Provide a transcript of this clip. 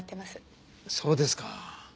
そうですか。